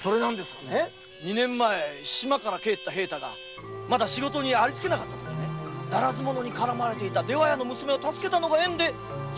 二年前島から帰った平太がまだ仕事にありつけなかったときにならず者に絡まれていた出羽屋の娘を助けたのが縁でしてね。